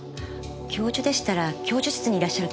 教授でしたら教授室にいらっしゃると思います。